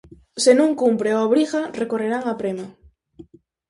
Se non cumpre a obriga, recorrerán á prema.